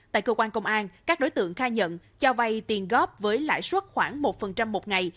tại cơ quan công an các đối tượng khai nhận cho vay tiền góp với lãi suất khoảng một một ngày